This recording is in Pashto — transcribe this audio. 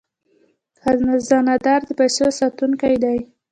خزانه دار د پیسو ساتونکی دی